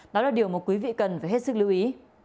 đó là điều mà quý vị cần phải hết sức lưu ý